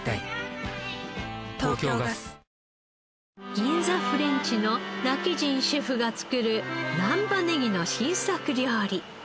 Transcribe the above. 銀座フレンチの今帰仁シェフが作る難波ネギの新作料理。